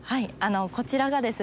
こちらがですね